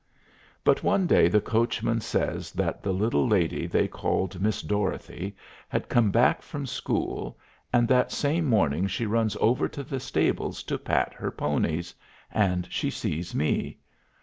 But one day the coachman says that the little lady they called Miss Dorothy had come back from school, and that same morning she runs over to the stables to pat her ponies, and she sees me.